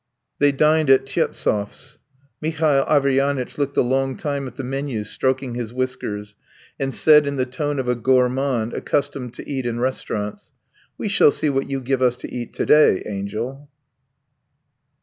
They dined at Tyestov's. Mihail Averyanitch looked a long time at the menu, stroking his whiskers, and said in the tone of a gourmand accustomed to dine in restaurants: "We shall see what you give us to eat to day, angel!"